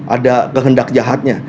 ada kehendak jahatnya